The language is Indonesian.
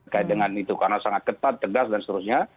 karena sangat ketat tegas dan seterusnya